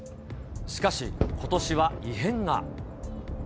しかし、ことしは異変が。